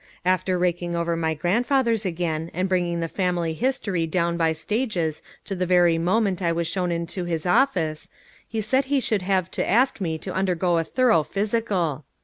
After raking over my grandfathers again and bringing the family history down by stages to the very moment I was shown into his office he said he should have to ask me to undergo a thorough physical